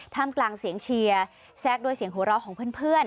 กลางเสียงเชียร์แทรกด้วยเสียงหัวเราะของเพื่อน